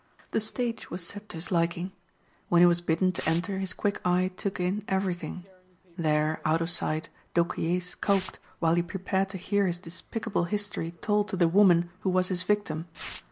The stage was set to his liking. When he was bidden to enter his quick eye took in everything. There, out of sight d'Aucquier skulked while he prepared to hear his despicable history told to the woman who was his victim.